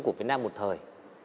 của việt nam một thời